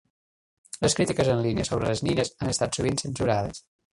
Les crítiques en línia sobre les nines han estat sovint censurades.